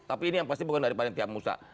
tapi ini yang pasti bukan dari panitia musa